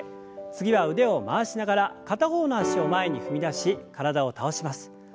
次は腕を回しながら片方の脚を前に踏み出し体を倒します。